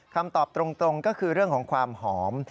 คำตอบตรงก็คือเรื่องของความหอม